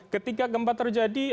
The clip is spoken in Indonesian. ketika gempa terjadi